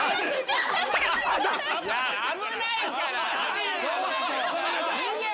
危ないから！